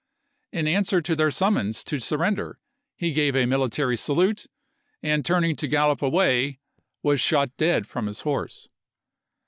In answer to their summons to surrender he gave a military salute, and turning to gallop away was shot dead from his horse.